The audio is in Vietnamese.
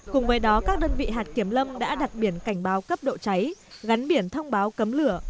cùng với đó các đơn vị hạt kiểm lâm đã đặt biển cảnh báo cấp độ cháy gắn biển thông báo cấm lửa